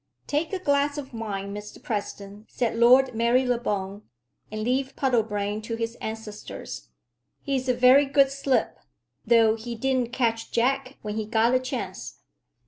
"Take a glass of wine, Mr President," said Lord Marylebone, "and leave Puddlebrane to his ancestors. He's a very good Slip, though he didn't catch Jack when he got a chance.